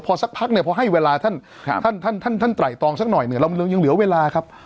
พอสักพักเนี้ยพอให้เวลาท่านแน่นมันยังเหลือเวลาครับ